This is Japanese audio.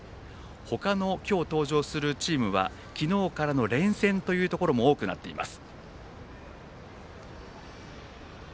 他の今日、登場するチームは昨日からの連戦というところも多くなっています。